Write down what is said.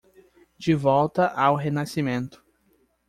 De volta ao renascimento